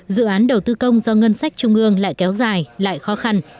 dự án đầu tư công do ngân sách trung ương lại kéo dài lại khó khăn